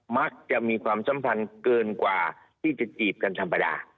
มักจะมีความสัมพันธ์เกินกว่าที่จะจีบกันธรรมดา